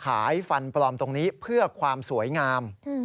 ฟันปลอมตรงนี้เพื่อความสวยงาม